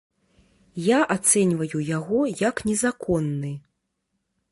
Я ацэньваю яго як незаконны.